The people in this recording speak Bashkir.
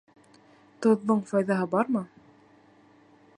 Тоҙҙоң файҙаһы бармы?